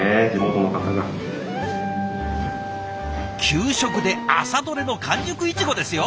給食で朝どれの完熟いちごですよ！